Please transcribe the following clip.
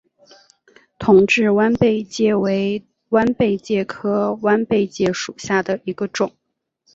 同志弯贝介为弯贝介科弯贝介属下的一个种。